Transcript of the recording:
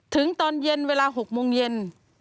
ตอนเย็นเวลา๖โมงเย็น